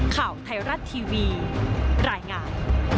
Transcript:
ข่าวไทยรัฐทีวีรายงาน